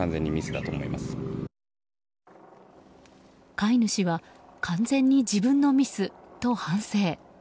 飼い主は完全に自分のミスと反省。